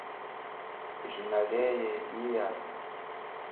Jina lie iya?